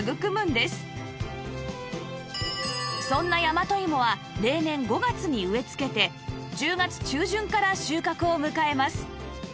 そんな大和芋は例年５月に植えつけて１０月中旬から収穫を迎えます